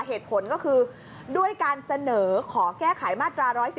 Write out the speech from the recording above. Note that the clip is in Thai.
เหตุผลก็คือด้วยการเสนอขอแก้ไขมาตรา๑๑๒